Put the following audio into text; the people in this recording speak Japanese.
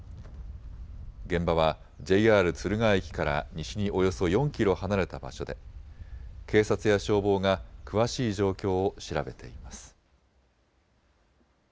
現場はＪＲ敦賀駅から西におよそ４キロ離れた場所で警察や消防が詳しい状況を調べています。